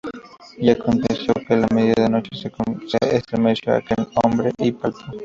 Y aconteció, que á la media noche se estremeció aquel hombre, y palpó